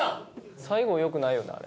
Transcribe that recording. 最後よくないよなあれ。